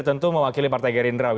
tentu mewakili partai gerindra